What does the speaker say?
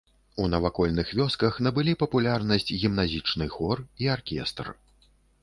У навакольных вёсках набылі папулярнасць гімназічны хор і аркестр.